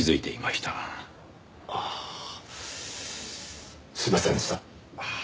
ああすいませんでした。